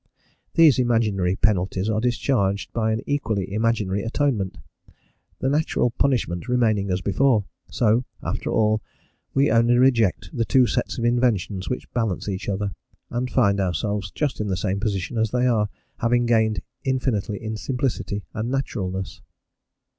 These imaginary penalties are discharged by an equally imaginary atonement, the natural punishment remaining as before; so after all we only reject the two sets of inventions which balance each other, and find ourselves just in the same position as they are, having gained infinitely in simplicity and naturalness.